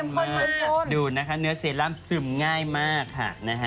มันเข้มข้นมากดูนะคะเนื้อเซรั่มซึมง่ายมากค่ะ